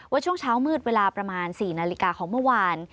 ช่วงเช้ามืดเวลาประมาณ๔นาฬิกาของเมื่อวาน